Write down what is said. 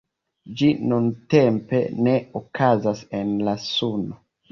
Ĝi nuntempe ne okazas en la Suno.